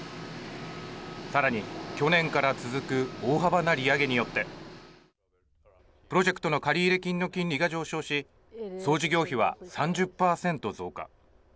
さらに去年から続く大幅な利上げによってプロジェクトの借入金の金利が上昇し総事業費は３０％増加。